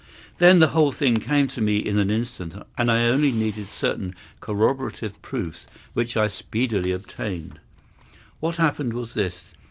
Then the whole thing came to me in an instant, and I only needed certain corroborative proofs, which I speedily obtained. "What happened was this.